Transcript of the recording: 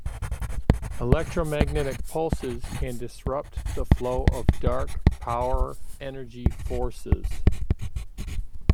Electromagnetic pulses can disrupt the flow of Darque Power energy forces.